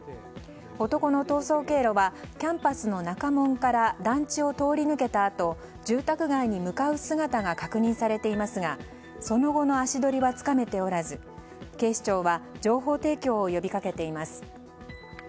男の逃走経路はキャンパスの中門から団地を通り抜けたあと住宅街に向かう姿が確認されていますがその後の足取りはつかめておらず警視庁は情報提供を呼びかけています。